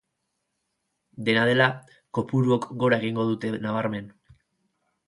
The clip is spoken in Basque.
Dena dela, kopuruok gora egingo dute, nabarmen.